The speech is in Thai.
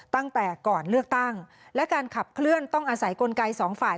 ตั้งแต่ก่อนเลือกตั้งและการขับเคลื่อนต้องอาศัยกลไกสองฝ่าย